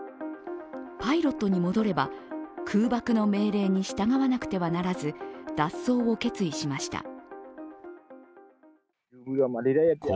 パイロットに戻れば空爆の命令に従わなくてはならず脱走を決意しました。